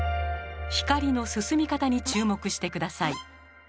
光の進み方に注目して下さい。